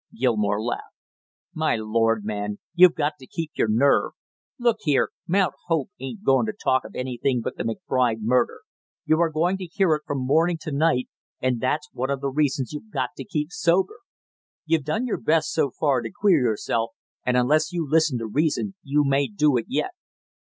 Gilmore laughed. "My lord, man, you got to keep your nerve! Look here, Mount Hope ain't going to talk of anything but the McBride murder; you are going to hear it from morning to night, and that's one of the reasons you got to keep sober. You've done your best so far to queer yourself, and unless you listen to reason you may do it yet."